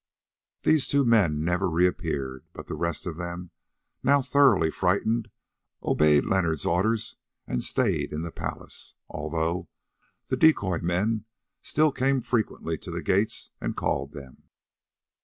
These two men never reappeared, but the rest of them, now thoroughly frightened, obeyed Leonard's orders and stayed in the palace, although the decoy men still came frequently to the gates and called them.